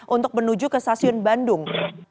untuk menuju ke stasiun bandung